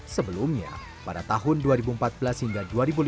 sebelumnya pada tahun dua ribu empat belas hingga dua ribu lima belas